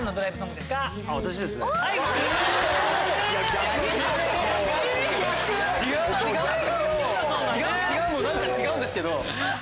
も何か違うんですけど。